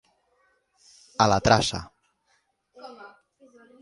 A la traça.